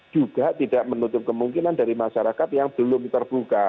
juga tidak menutup kemungkinan dari masyarakat yang belum terbuka